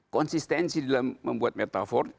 konsistensi dalam membuat metafor